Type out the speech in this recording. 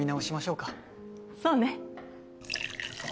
そうね。